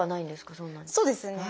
そうですね。